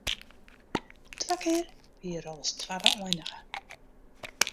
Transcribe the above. Twa kear wie er al as twadde einige.